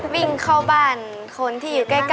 วิ่งเข้าบ้านคนที่อยู่ใกล้